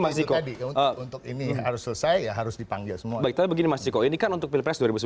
masih untuk ini harus selesai harus dipanggil semua kita begini masih kau ini kan untuk pilpres dua ribu sembilan belas